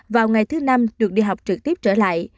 vào ngày thứ năm được đi học trực tiếp trở lại